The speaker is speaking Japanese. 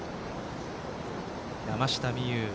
山下美夢有